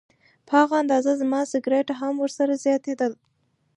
په هغه اندازه زما سګرټ هم ورسره زیاتېدل.